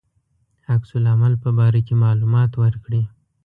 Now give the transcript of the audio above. عکس العمل په باره کې معلومات ورکړي.